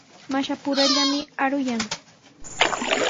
Mashapurallami aruyan.